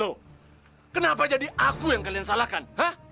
loh kenapa jadi aku yang kalian salahkan